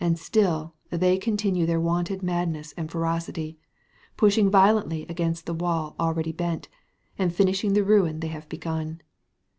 And still they continue their wonted madness and ferocity, pushing violently against the wall already bent, and finishing the ruin they have begun.